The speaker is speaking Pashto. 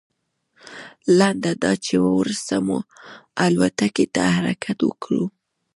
لنډه دا چې وروسته مو الوتکې ته حرکت وکړ.